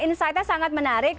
insightnya sangat menarik